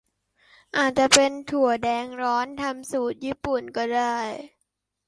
อาจจะเป็นถั่วแดงร้อนทำสูตรญี่ปุ่น ก็ได้